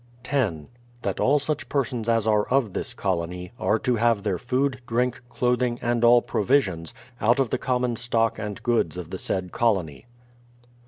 ID. That all such persons as are of this colony, are to have their food, drink, clothing, and all provisions, out of the common stock and goods of the said colony.